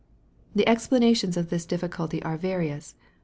The explanations of this difficulty are various.